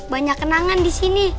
banyak kenangan di sini